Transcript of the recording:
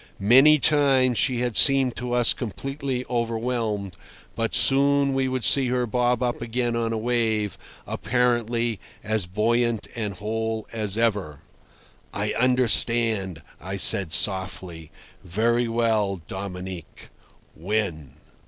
Many times she had seemed to us completely overwhelmed, but soon we would see her bob up again on a wave, apparently as buoyant and whole as ever. "I understand," I said softly. "Very well, Dominic. When?"